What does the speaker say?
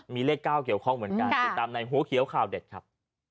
มีเลข๙เกี่ยวข้องเหมือนกันติดตามในหัวเขียวข่าวเด็ดครับ